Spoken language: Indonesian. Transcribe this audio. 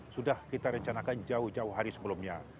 sudah kita rencanakan jauh jauh hari sebelumnya